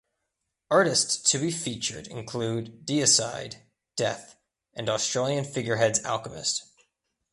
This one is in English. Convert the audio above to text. Artists to be featured included Deicide, Death and Australian figureheads Alchemist.